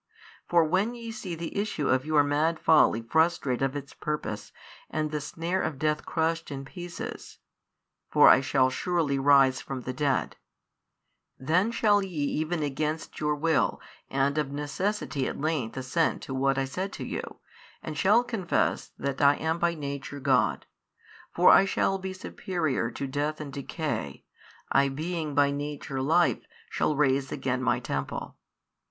For when ye see the issue of your mad folly frustrate of its purpose and the snare of death crushed in pieces (for I shall surely rise from the dead): then shall ye even against your will and of necessity at length assent to what I said to you and shall confess that I am by Nature God. For I shall be superior to death and decay, I being by Nature Life shall raise again My Temple.